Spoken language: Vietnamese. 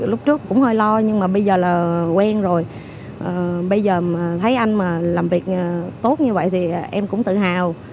lúc trước cũng hơi lo nhưng mà bây giờ là quen rồi bây giờ thấy anh mà làm việc tốt như vậy thì em cũng tự hào